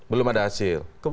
belum ada hasil